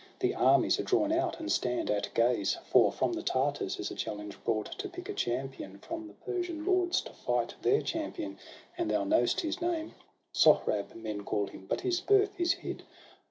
The armies are drawn out, and stand at gaze ; For from the Tartars is a challenge brought To pick a champion from the Persian lords To fight their champion — and thou know'st his name — Sohrab men call him, but his birth is hid.